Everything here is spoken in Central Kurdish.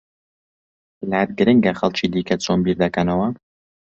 لات گرنگە خەڵکی دیکە چۆن بیر دەکەنەوە؟